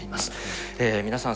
皆さん